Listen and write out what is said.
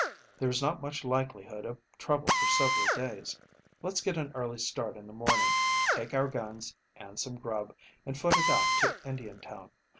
There is not much likelihood of trouble for several days. Let's get an early start in the morning, take our guns and some grub, and foot it out to Indiantown.